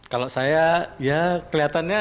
kalau saya ya kelihatannya